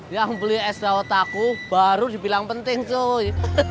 yang beli es daun taku baru dibilang penting cuy